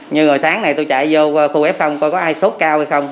như rồi sáng này tôi chạy vô khu f coi có ai sốt cao hay không